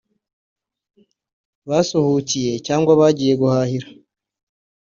basuhukiye cyangwa bagiye guhahira